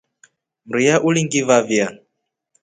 Mria ulingivavia.